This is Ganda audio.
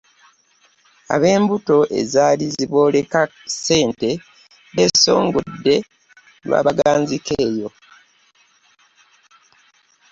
Ab’embuto ezaali zibooleka ebisente, basongodde lwabaganzika eyo.